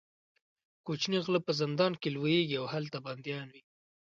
کوچني غله په زندان کې لویېږي او هلته بندیان وي.